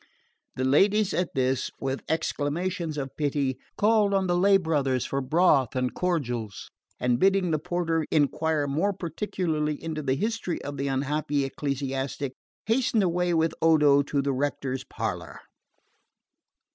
The ladies at this, with exclamations of pity, called on the lay brothers for broth and cordials, and bidding the porter enquire more particularly into the history of the unhappy ecclesiastic, hastened away with Odo to the rector's parlour.